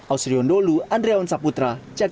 ausriyondolu andreawan saputra jakarta